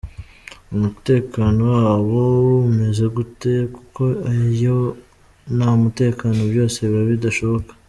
Umutekano waho umeze gute? Kuko iyo nta mutekano byose biba bidashoboka.